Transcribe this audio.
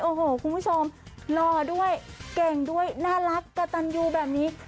โอ้โหคุณผู้ชมหล่อด้วยเก่งด้วยน่ารักกระตันยูแบบนี้